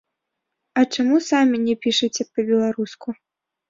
А чаму самі не пішаце па-беларуску?